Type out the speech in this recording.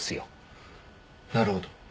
なるほど。